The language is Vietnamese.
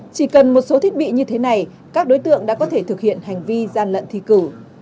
chỉ cần một số thiết bị như thế này các đối tượng đã có thể thực hiện hành vi gian lận thi cử